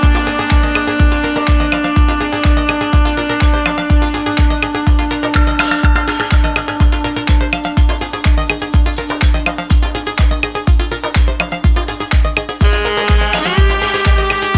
kalau gitu saya permisi ya bu